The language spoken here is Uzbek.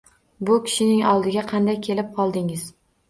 Bu kishining oldiga qanday kelib qoldingiz